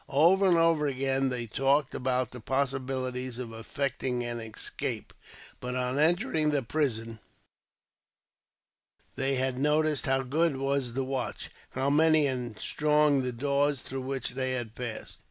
Over and over again, they talked about the possibilities of effecting an escape; but, on entering the prison, they had noticed how good was the watch, how many and strong the doors through which they had passed.